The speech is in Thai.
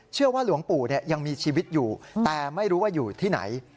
เชื่อว่าหลวงปู่ยังมีชีวิตอยู่แต่ไม่รู้ว่าอยู่ที่ไหน